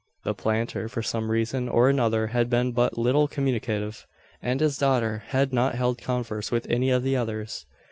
The planter, for some reason or another, had been but little communicative, and his daughter had not held converse with any of the others.